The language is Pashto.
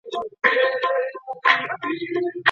د زمري میاشت بې ارزښته نه ده.